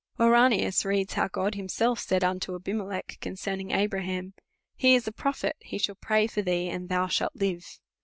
Ouranius reads how God himself said unto Abime lech concerning Abraham, He is a prophet: he shall Jtraij for thee and thou shall live.